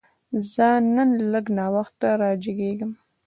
زه نن لږ ناوخته راجیګیږم